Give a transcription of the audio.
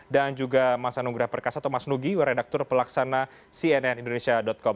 dan juga mas anung graf perkasa tomas nugi redaktur pelaksana cnn indonesia com